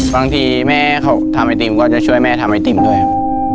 บางทีแม่เขาทำไอติมก็จะช่วยแม่ทำไอติมด้วยครับ